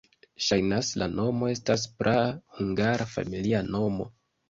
Ŝajnas, la nomo estas praa hungara familia nomo.